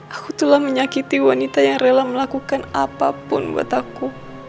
aku telah menyakiti wanita yang rela melakukan apapun buat aku